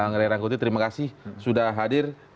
bang rey rangkuti terima kasih sudah hadir